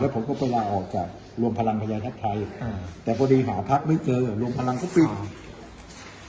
แล้วผมก็ไปลาออกจากรวมพลังพยายามทัศน์ไทยแต่พอดีหาพรรคไม่เจอรวมพลังก็ปิด